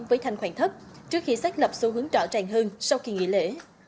với thanh khoản thấp trước khi xác lập số hướng trỏ tràn hơn sau kỳ nghị lễ